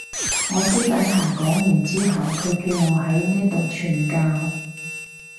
我私底下講完之後佢叫我喺呢度傳教